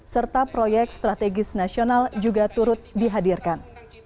serta proyek strategis nasional juga turut dihadirkan